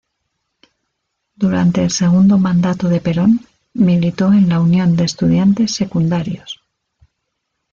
Durante el segundo mandato de Perón, militó en la Unión de Estudiantes Secundarios.